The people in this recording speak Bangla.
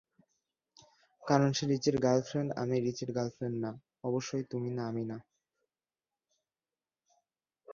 কারণ সে রিচির গার্লেফ্রন্ড আমি রিচির গার্লেফ্রন্ড না অবশ্যই তুমি না আমি না।